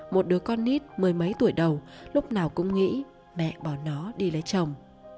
một đứa con ít mười mấy tuổi đầu lúc nào cũng nghĩ mẹ bỏ nó đi lấy chồng